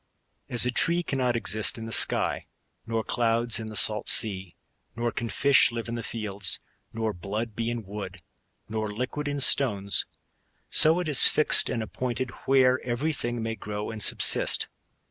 As a tree cannot exist in the sky,* nor clouds in the salt sea ; nor can fish live in the fields, nor blood be in wood, nor liquid in stones ; so it is fixed and appointed where every thing may grow and subsist.